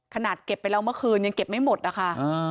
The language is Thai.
เก็บไปแล้วเมื่อคืนยังเก็บไม่หมดนะคะ